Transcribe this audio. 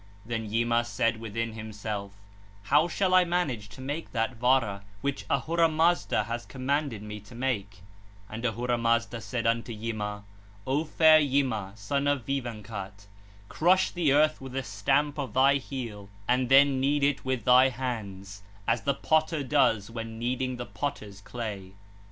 31 (93). Then Yima said within himself: 'How shall I manage to make that Vara which Ahura Mazda has commanded me to make?' And Ahura Mazda said unto Yima: 'O fair Yima, son of Vîvanghat! Crush the earth with a stamp of thy heel, and then knead it with thy hands, as the potter does when kneading the potter's clay 3.'